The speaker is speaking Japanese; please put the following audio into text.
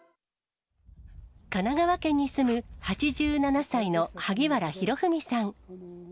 神奈川県に住む８７歳の萩原博文さん。